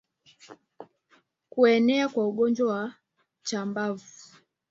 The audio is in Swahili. Kuenea kwa ugonjwa wa chambavu